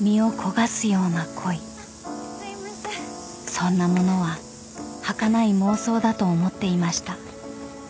［そんなものははかない妄想だと思っていました］